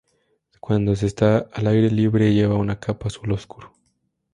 Cuando se está al aire libre, lleva una capa azul oscuro.